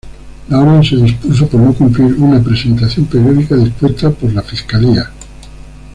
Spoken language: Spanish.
La orden se dispuso por no cumplir una presentación periódica dispuesta por la fiscalía.